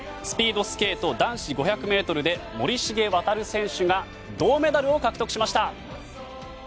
スピードスケート男子５００ｍで森重航選手が銅メダルを獲得しました！